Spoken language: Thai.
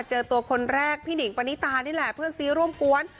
เจอตัวคนแรกพี่หนิงปณิตานี่แหละเพื่อนซีร่วมกวน